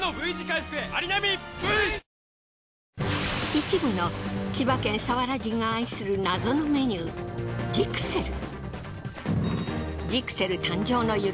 一部の千葉県佐原人が愛する謎のメニュージクセル。